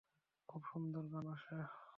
খুব সুন্দর ঘ্রাণ আসে।